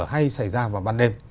hay xảy ra vào ban đêm